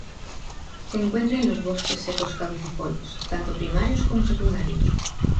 Se encuentra en los bosques secos caducifolios, tanto primarios como secundarios.